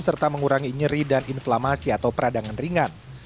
serta mengurangi nyeri dan inflamasi atau peradangan ringan